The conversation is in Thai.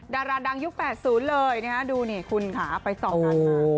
ดาราดังยุคแปดศูนย์เลยดูนี่คุณค่ะไปสองการมา